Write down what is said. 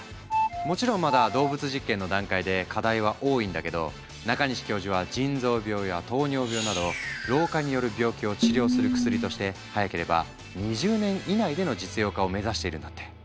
もちろんまだ動物実験の段階で課題は多いんだけど中西教授は腎臓病や糖尿病など老化による病気を治療する薬として早ければ２０年以内での実用化を目指しているんだって。